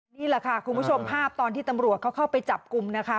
นี่แหละค่ะคุณผู้ชมภาพตอนที่ตำรวจเขาเข้าไปจับกลุ่มนะคะ